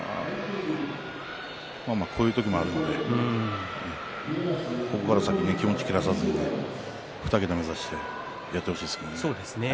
まあ、こういう時もあるのでここから先、気持ちを切らさずに２桁を目指してやってほしいですね。